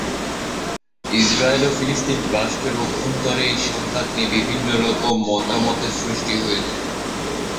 Israel ও ফিলিস্তিন রাষ্ট্রের অভ্যন্তরে এই সংঘাত নিয়ে বিভিন্ন রকম মতামতের সৃষ্টি হয়েছে।